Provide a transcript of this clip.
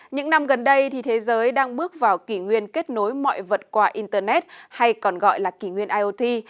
những năm gần đây thì thế giới đang bước vào kỷ nguyên kết nối mọi vật qua internet hay còn gọi là kỷ nguyên iot